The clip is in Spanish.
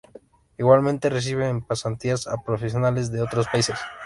Igualmente recibe en pasantías a profesionales de otros países.